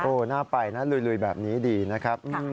น่าไปนะลุยแบบนี้ดีนะครับ